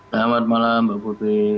selamat malam mbak putri